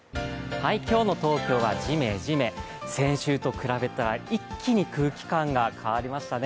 今日の東京はジメジメ、先週と比べたら一気に空気感が変わりましたね。